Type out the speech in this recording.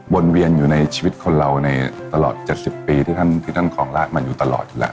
วนเวียนอยู่ในชีวิตคนเราในตลอด๗๐ปีที่ท่านคลองละมาอยู่ตลอดแล้ว